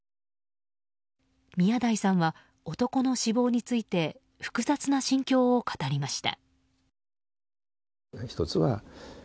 宮台さんは、男の死亡について複雑な心境を語りました。